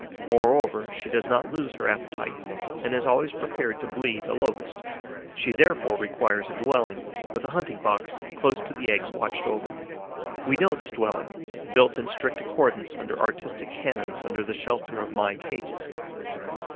Moreover, she does not lose her appetite and is always prepared to bleed a Locust. She therefore requires a dwelling with a hunting box close to the eggs watched over. We know this dwelling, built in strict accordance with artistic canons under the shelter of my cages.